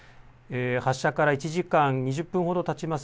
発射から１時間２０分ほどたちます。